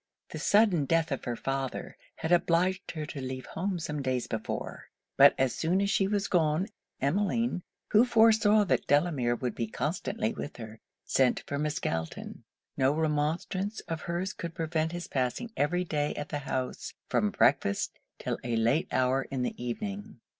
The sudden death of her father had obliged her to leave home some days before: but as soon as she was gone, Emmeline, who foresaw that Delamere would be constantly with her, sent for Miss Galton. No remonstrance of her's could prevent his passing every day at the house, from breakfast 'till a late hour in the evening.